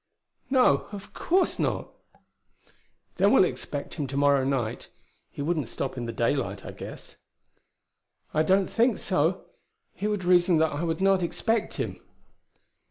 "No, of course not." "Then we'll expect him to morrow night. He wouldn't stop in the daylight, I guess." "I don't think so. He would reason that I would not expect him."